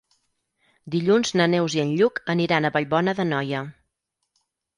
Dilluns na Neus i en Lluc aniran a Vallbona d'Anoia.